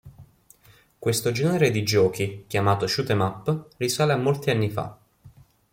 Questo genere di giochi, chiamato Shoot'em up, risale a molti anni fa.